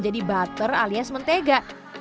dibater alias mentega